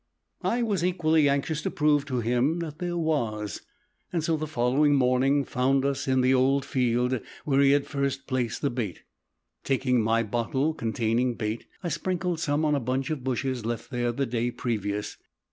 I was equally anxious to prove to him that there was. So the following morning found us in the old field where he had first placed the bait. Taking my bottle containing bait. I sprinkled some on a bunch of bushes left there the day previous.